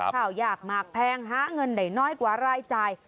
ข้าวยากมากแพงหาเงินได้น้อยกว่ารายจ่าย